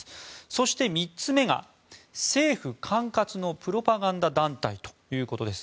そして３つ目が、政府管轄のプロパガンダ団体です。